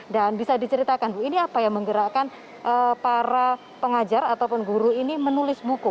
dan bisa diceritakan ibu ini apa yang menggerakkan para pengajar ataupun guru ini menulis buku